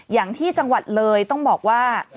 อย่างที่จังหวัดเลยต้องบอกว่า